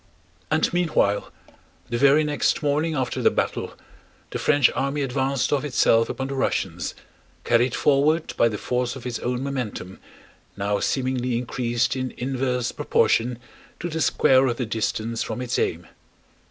And meanwhile, the very next morning after the battle, the French army advanced of itself upon the Russians, carried forward by the force of its own momentum now seemingly increased in inverse proportion to the square of the distance from its aim.